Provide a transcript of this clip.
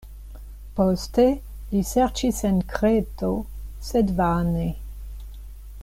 Poste, li serĉis en Kreto, sed vane.